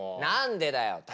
何でだよ。